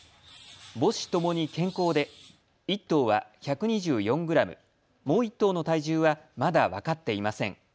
母子ともに健康で１頭は１２４グラム、もう１頭の体重はまだ分かっていません。